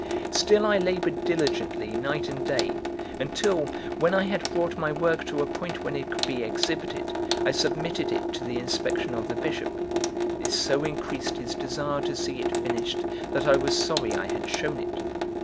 Still I laboured diligently night and day, until, when I had brought my work to a point when it could be exhibited, I submitted it to the inspection of the Bishop. This so increased his desire to see it finished that I was sorry I had shown it.